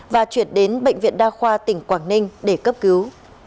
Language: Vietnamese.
và chuyển đến bệnh viện đa khoa tỉnh quảng ninh để cấp cứu